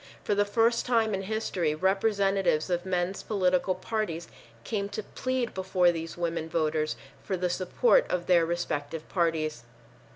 For the first time in history representatives of men's political parties came to plead before these women voters for the support of their respective parties.